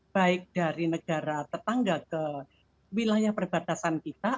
baik dari negara tetangga ke wilayah perbatasan kita